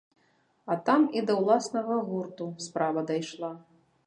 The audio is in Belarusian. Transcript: А там і да ўласнага гурту справа дайшла.